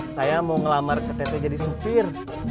saya mau ngelamar ke tete jadi sopir